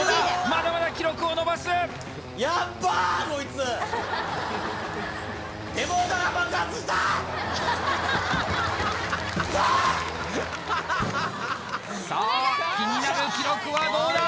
まだまだ記録を伸ばすさあ気になる記録はどうだ？